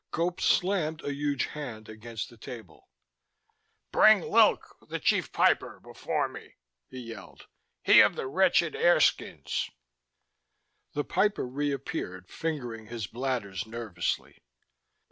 Gope slammed a huge hand against the table. "Bring Lylk, the Chief Piper, before me," he yelled. "He of the wretched air skins." The Piper reappeared, fingering his bladders nervously.